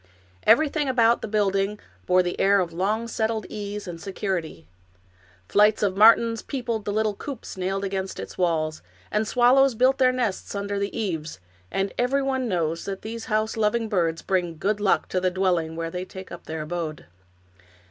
Everything about the building bore the air of long settled ease and security. Flights of martins peopled the little coops nailed against its walls, and swallows built their nests under the eaves, and everyone knows that these house loving birds bring good luck to the dwelling where they take up their abode.